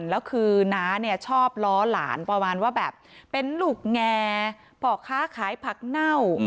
แล้วคือน้าเนี่ยชอบล้อหลานประมาณว่าแบบเป็นลูกแงพ่อค้าขายผักเน่า